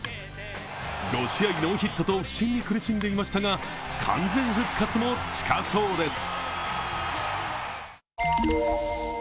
５試合ノーヒットと不振に苦しんでいましたが、完全復活も近そうです。